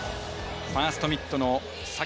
ファーストミットの先。